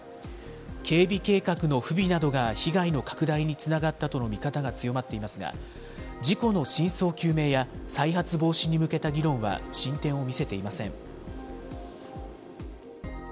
警備計画の不備などが被害の拡大につながったとの見方が強まっていますが、事故の真相究明や再発防止に向けた議論は進展を見せていません。